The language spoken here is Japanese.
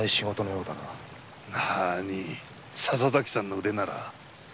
なに笹崎さんの腕なら。